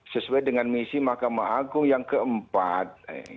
sesuai dengan misi mahkamah agung yang keempat